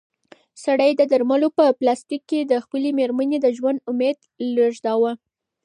سړي د درملو په پلاستیک کې د خپلې مېرمنې د ژوند امید لېږداوه.